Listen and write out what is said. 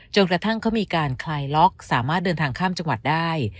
กระทั่งเขามีการคลายล็อกสามารถเดินทางข้ามจังหวัดได้